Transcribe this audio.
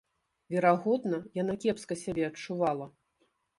Верагодна, яна кепска сябе адчувала.